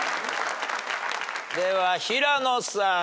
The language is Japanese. では平野さん。